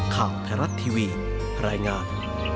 ข่าวไทยรัฐทีวีรายงาน